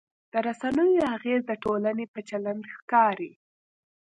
د رسنیو اغېز د ټولنې په چلند ښکاري.